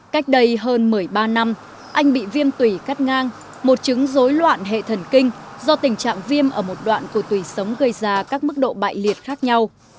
cách đây hơn một mươi ba năm anh bị viêm tủy cắt ngang một chứng dối loạn hệ thần kinh do tình trạng viêm ở một đoạn của tùy sống gây ra các mức độ bại liệt khác nhau